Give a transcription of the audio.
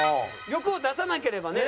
欲を出さなければね